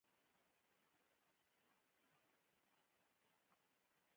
ښوونځی د ماشومانو د اخلاقو د پرمختګ لپاره مهم دی.